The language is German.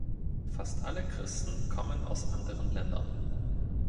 Fast alle Christen kommen aus anderen Ländern.